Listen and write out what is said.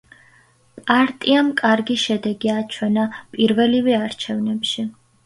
პარტიამ კარგი შედეგი აჩვენა პირველივე არჩევნებში.